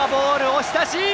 押し出し。